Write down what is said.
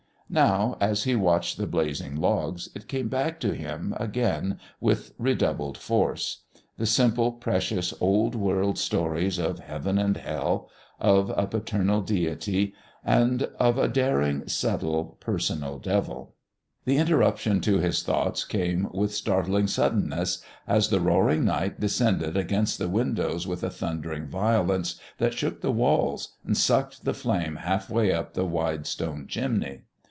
Now, as he watched the blazing logs, it came back to him again with redoubled force; the simple, precious, old world stories of heaven and hell, of a paternal Deity, and of a daring, subtle, personal devil The interruption to his thoughts came with startling suddenness, as the roaring night descended against the windows with a thundering violence that shook the walls and sucked the flame half way up the wide stone chimney.